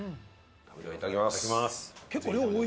いただきます。